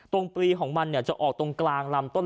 ตรงปลีของมันเนี่ยจะออกตรงกลางลำต้น